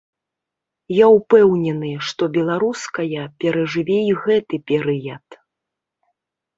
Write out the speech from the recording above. Я ўпэўнены, што беларуская перажыве і гэты перыяд.